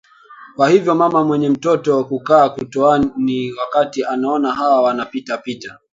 kwa hivyo mama mwenye mtoto kukaa kituoni wakati anaona hawa wana pita pita